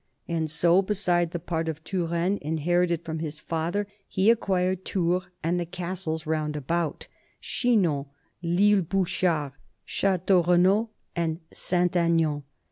And so, besides the part of Touraine inherited from his father, he acquired Tours and the castles round about Chinon, L'lle Bou chard, Ch^teaurenault, and Saint Aignan.